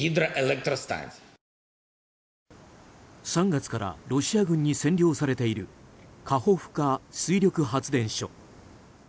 ３月からロシア軍に占領されているカホフカ水力発電所。